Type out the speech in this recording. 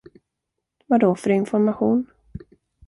Vadå för information?